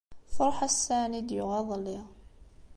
Truḥ-as ssaɛa-nni i d-yuɣ iḍelli.